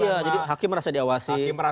iya jadi hakim merasa diawasi